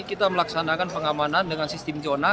kita akan dilaksanakan pengamanan dengan sistem zona